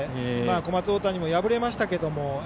小松大谷も敗れましたけど